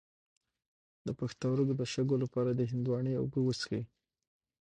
د پښتورګو د شګو لپاره د هندواڼې اوبه وڅښئ